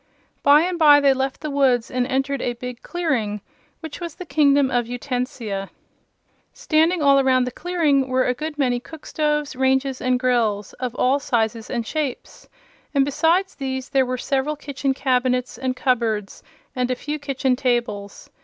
By and by they left the woods and entered a big clearing, in which was the Kingdom of Utensia. Standing all around the clearing were a good many cookstoves, ranges and grills, of all sizes and shapes, and besides these there were several kitchen cabinets and cupboards and a few kitchen tables.